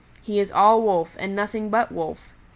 "He is all Wolf and nothing but Wolf.